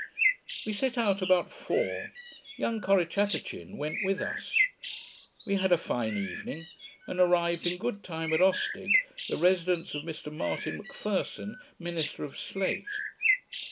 We set out about four. Young Corrichatachin went with us. We had a fine evening, and arrived in good time at Ostig, the residence of Mr Martin M'Pherson, minister of Slate.